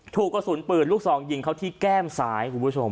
ถูกกระสุนปืนลูกสองยิงเขาที่แก้มซ้าย